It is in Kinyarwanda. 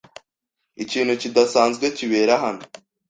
Ikintu kidasanzwe kibera hano.